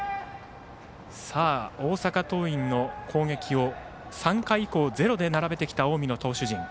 大阪桐蔭の攻撃を３回以降ゼロで並べてきた近江の投手陣。